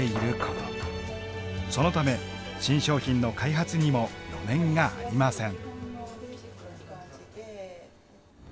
そのため新商品の開発にも余念がありません。